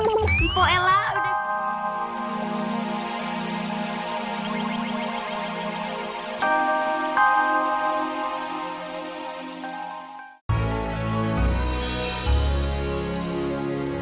empuk ella udah